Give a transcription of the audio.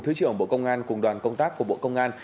thứ trưởng bộ công an cùng đoàn công tác của bộ công an